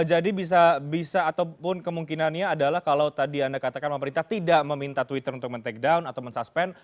jadi bisa ataupun kemungkinannya adalah kalau tadi anda katakan pemerintah tidak meminta twitter untuk men take down atau men suspend